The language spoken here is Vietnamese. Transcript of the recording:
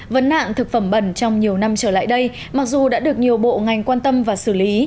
vấn nạn thực phẩm bẩn trong nhiều năm trở lại đây mặc dù đã được nhiều bộ ngành quan tâm và xử lý